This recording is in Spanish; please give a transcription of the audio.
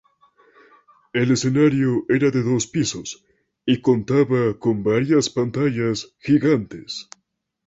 El escenario era de dos pisos y contaba con varias pantallas gigantes.